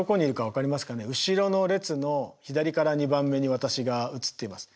後ろの列の左から２番目に私が写っています。